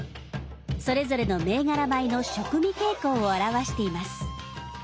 それぞれの銘柄米の食味傾向を表しています。